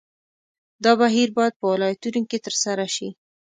دا بهیر باید په ولایتونو کې ترسره شي.